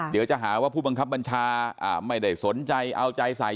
เดี๋ยวจะหาว่าผู้บังคับบัญชาไม่ได้สนใจเอาใจใส่